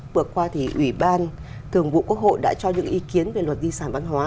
bữa qua ủy ban thường vụ quốc hội đã cho những ý kiến về luật di sản văn hóa